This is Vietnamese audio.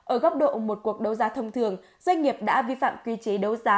ở góc độ một cuộc đấu giá thông thường doanh nghiệp đã vi phạm quy chế đấu giá